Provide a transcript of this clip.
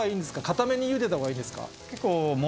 硬めにゆでたほうがいいですか？